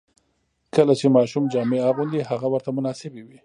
کله چې ماشوم جامې اغوندي، هغه ورته مناسبې وي.